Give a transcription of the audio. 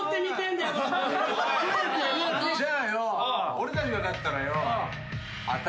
俺たちが勝ったらよ。